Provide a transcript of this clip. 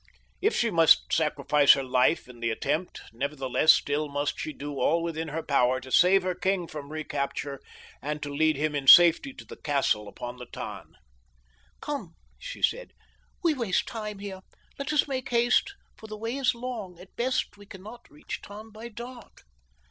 If she must sacrifice her life in the attempt, nevertheless still must she do all within her power to save her king from recapture and to lead him in safety to the castle upon the Tann. "Come," she said; "we waste time here. Let us make haste, for the way is long. At best we cannot reach Tann by dark."